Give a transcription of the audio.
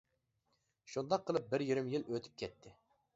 شۇنداق قىلىپ بىر يېرىم يىل ئۆتۈپ كەتتى.